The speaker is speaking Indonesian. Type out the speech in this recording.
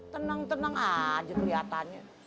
tenang tenang aja keliatannya